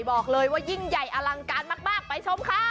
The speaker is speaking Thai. บอกเลยว่ายิ่งใหญ่อลังการมากไปชมค่ะ